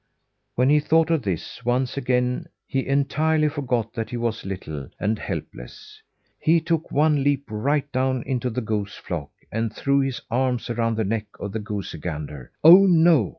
When he thought of this, once again he entirely forgot that he was little and helpless. He took one leap right down into the goose flock, and threw his arms around the neck of the goosey gander. "Oh, no!